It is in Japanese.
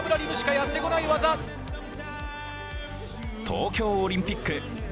東京オリンピックＢＭＸ